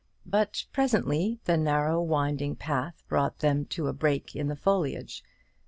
But presently the narrow winding path brought them to a break in the foliage.